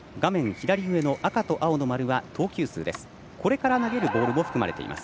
左上の赤と青の丸は投球数です。